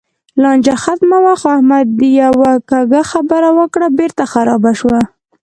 لانجه ختمه وه؛ خو احمد یوه کږه خبره وکړه، بېرته خرابه شوه.